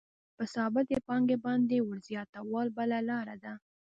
په ثابتې پانګې باندې ورزیاتول بله لاره ده